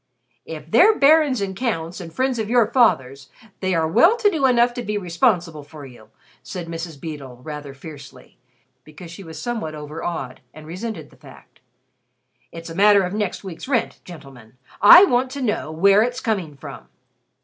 "If they're barons and counts, and friends of your father's, they are well to do enough to be responsible for you," said Mrs. Beedle, rather fiercely, because she was somewhat over awed and resented the fact. "It's a matter of next week's rent, gentlemen. I want to know where it's coming from."